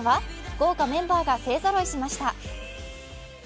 豪華メンバーが勢ぞろいしました。